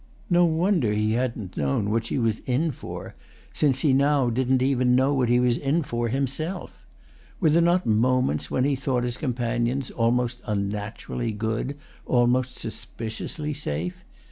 No wonder he hadn't known what she was in for, since he now didn't even know what he was in for himself. Were there not moments when he thought his companions almost unnaturally good, almost suspiciously safe?